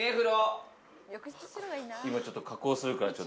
今ちょっと加工するから。